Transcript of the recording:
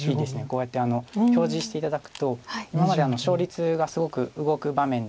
こうやって表示して頂くと今まで勝率がすごく動く場面とかでも。